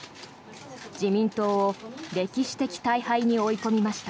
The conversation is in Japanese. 自民党を歴史的大敗に追い込みました。